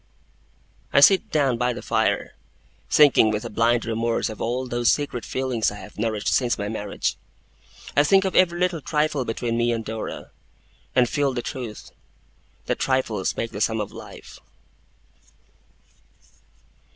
I sit down by the fire, thinking with a blind remorse of all those secret feelings I have nourished since my marriage. I think of every little trifle between me and Dora, and feel the truth, that trifles make the sum of life.